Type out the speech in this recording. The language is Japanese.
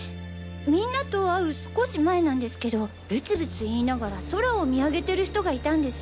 みんなと会う少し前なんですけどブツブツ言いながら空を見上げてる人がいたんです。